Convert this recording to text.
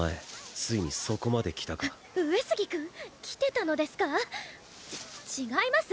ついにそこまできたか上杉君来てたのですかち違います